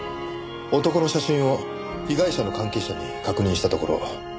男の写真を被害者の関係者に確認したところ。